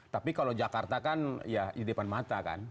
tapi kalau jakarta kan ya di depan mata kan